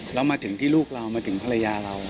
แล้วมาถึงที่ลูกเรามาถึงภรรยาเรา